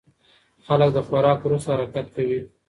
خلک د خوراک وروسته حرکت کوي.